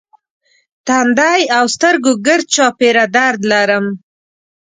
تندی او سترګو ګرد چاپېره درد لرم.